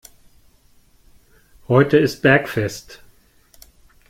Heute ist Bergfest.